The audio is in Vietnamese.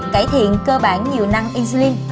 cải thiện cơ bản nhiều năng insulin